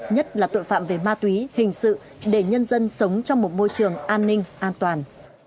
nhất là tội phạm về ma túy hình sự để nhân dân sống trong một môi trường an ninh an toàn